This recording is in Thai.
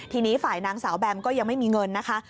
ทีนี้ฝ่ายนางสาวแบมก็ยังไม่มีเงินนะคะ